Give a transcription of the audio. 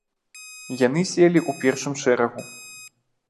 Яны селі ў першым шэрагу.